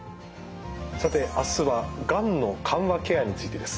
さて明日はがんの緩和ケアについてです。